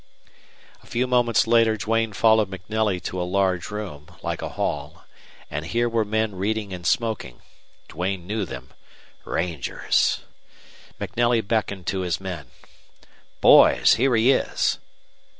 A few moments later Duane followed MacNelly to a large room, like a hall, and here were men reading and smoking. Duane knew them rangers! MacNelly beckoned to his men. "Boys, here he is."